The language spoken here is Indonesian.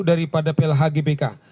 daripada plh gbk